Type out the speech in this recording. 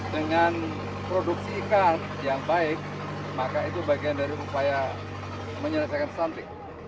dengan produksi ikan yang baik maka itu bagian dari upaya menyelesaikan stunting